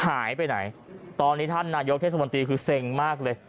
หายไปไหนตอนนี้ท่านนายกเทศมนตรีคือเซ็งมากเลย